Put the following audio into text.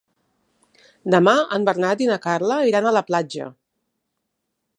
Demà en Bernat i na Carla iran a la platja.